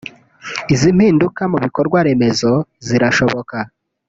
Izi mpinduka no mu bikorwa remezo zirashoboka